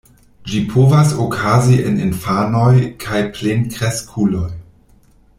Ĝi povas okazi en infanoj kaj plenkreskuloj.